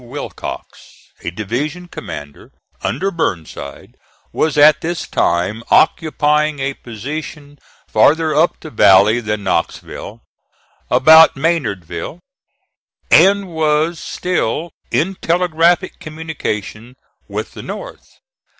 Willcox, a division commander under Burnside, was at this time occupying a position farther up the valley than Knoxville about Maynardville and was still in telegraphic communication with the North.